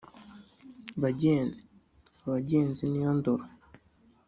Bagenzi (Bagenzi niyo ndoro